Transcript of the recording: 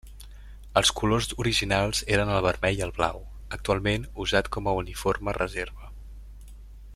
Els colors originals eren el vermell i el blau, actualment usat com a uniforme reserva.